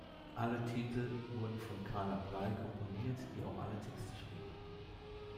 Alle Titel wurden von Carla Bley komponiert, die auch alle Texte schrieb.